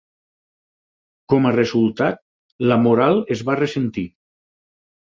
Com a resultat, la moral es va ressentir.